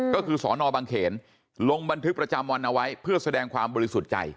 ก็คือสอนอบังเขนลงบันทึกประจำวันเอาไว้เพื่อแสดงความบริสุทธิ์ใจ